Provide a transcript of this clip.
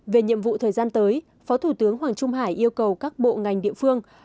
về nhiệm vụ thời gian tới phó thủ tướng hoàng trung hải yêu cầu các bộ ngành địa phương